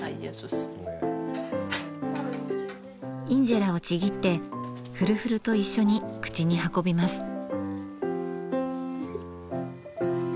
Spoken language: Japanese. インジェラをちぎってフルフルと一緒に口に運びます。